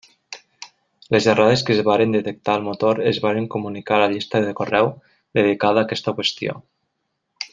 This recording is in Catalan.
Les errades que es varen detectar al motor es varen comunicar a la llista de correu dedicada a aquesta qüestió.